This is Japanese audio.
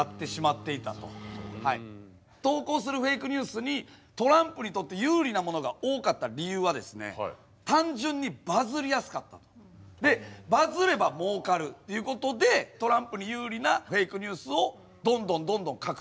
ニュースにトランプにとって有利なものが多かった理由は単純にバズりやすかったと。でバズれば儲かるっていうことでトランプに有利なフェイクニュースをどんどんどんどん拡散していったと。